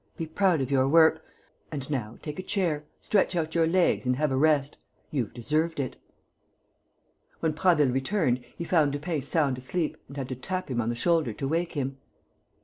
Be proud of your work. And now take a chair, stretch out your legs and have a rest. You've deserved it." When Prasville returned, he found Lupin sound asleep and had to tap him on the shoulder to wake him.